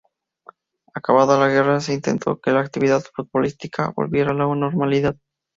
Acabada la guerra se intentó que la actividad futbolística volviera a la normalidad.